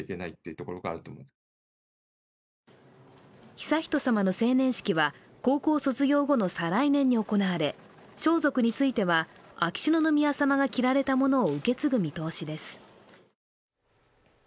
悠仁さまの成年式は高校卒業後の再来年に行われ、装束については秋篠宮さまが着られたものを受け継ぐ見通しです。